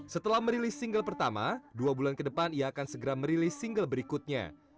setelah merilis single pertama dua bulan ke depan ia akan segera merilis single berikutnya